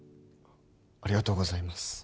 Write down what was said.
ありがとうございます。